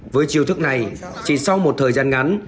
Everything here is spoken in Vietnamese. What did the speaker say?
với chiêu thức này chỉ sau một thời gian ngắn